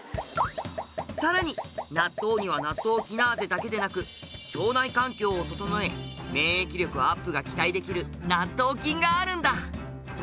さらに納豆にはナットウキナーゼだけでなく腸内環境を整え免疫力アップが期待できる納豆菌があるんだ！